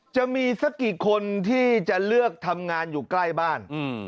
จะมีสักกี่คนที่จะเลือกทำงานอยู่ใกล้บ้าน